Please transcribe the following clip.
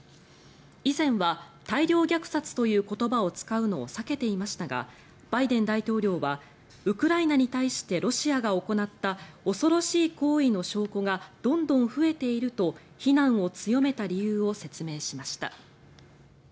以前は大量虐殺という言葉を使うのを避けていましたがバイデン大統領はウクライナに対してロシアが行った恐ろしい行為の証拠がどんどん増えていると非難を強めた理由を説明しました。